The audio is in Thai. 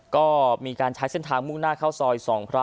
ก็มีการใช้เส้นทางมุ่งหน้าเข้าซอย๒พระ